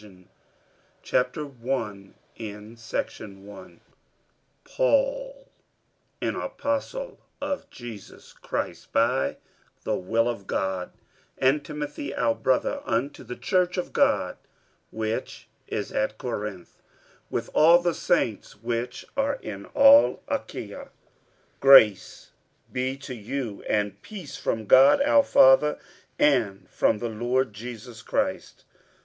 Book 47 2 Corinthians 47:001:001 Paul, an apostle of Jesus Christ by the will of God, and Timothy our brother, unto the church of God which is at Corinth, with all the saints which are in all Achaia: 47:001:002 Grace be to you and peace from God our Father, and from the Lord Jesus Christ.